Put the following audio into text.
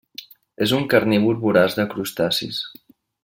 És un carnívor voraç de crustacis.